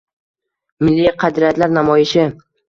Milliy qadriyatlar namoyishi